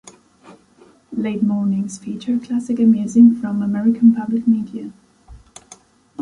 Late mornings feature classical music from American Public Media.